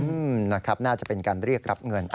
นะครับน่าจะเป็นการเรียกรับเงิน